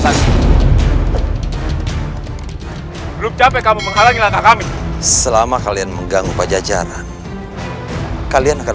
belum capek kamu menghalangi langkah kami selama kalian mengganggu pajajaran kalian akan